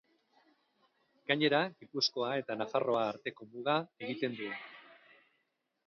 Gainera, Gipuzkoa eta Nafarroa arteko muga egiten du.